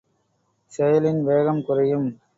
செயலின் வேகம் குறையும்.